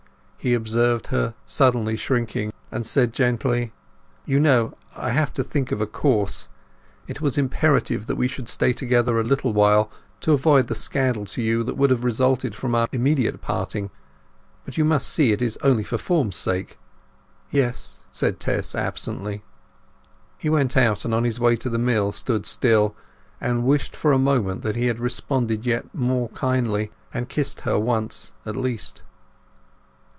He observed her sudden shrinking, and said gently— "You know, I have to think of a course. It was imperative that we should stay together a little while, to avoid the scandal to you that would have resulted from our immediate parting. But you must see it is only for form's sake." "Yes," said Tess absently. He went out, and on his way to the mill stood still, and wished for a moment that he had responded yet more kindly, and kissed her once at least.